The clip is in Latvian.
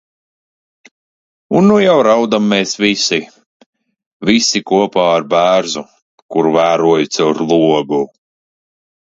Un nu jau raudam mēs visi. Visi, kopā ar bērzu, kuru vēroju caur logu.